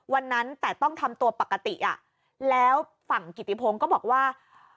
วันนั้นแต่ต้องทำตัวปกติอ่ะแล้วฝั่งกิติพงศ์ก็บอกว่า